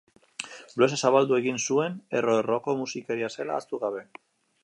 Bluesa zabaldu egin zuen, erro-erroko musikaria zela ahaztu gabe.